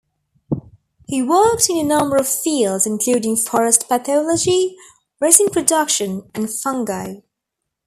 He worked in a number of fields including forest pathology, resin production, and fungi.